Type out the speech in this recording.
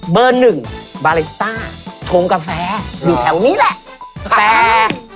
เบอร์หนึ่งบาเลสต้าชงกาแฟอยู่แถวนี้แหละแต่